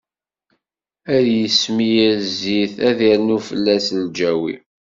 Ad s-ismir zzit, ad d-irnu fell-as lǧawi.